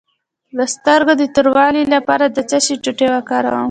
د سترګو د توروالي لپاره د څه شي ټوټې وکاروم؟